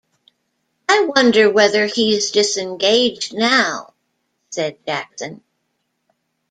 ‘I wonder whether he’s disengaged now?’ said Jackson.